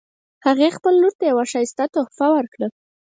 هغې خپل لور ته یوه ښایسته تحفه ورکړه